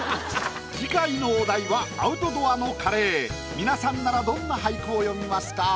皆さんならどんな俳句を詠みますか？